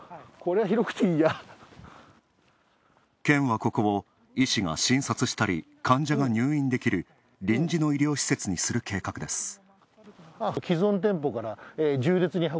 県はここを医師が診察したり、患者が入院できる臨時の医療施設にする計画です。